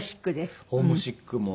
ホームシックで。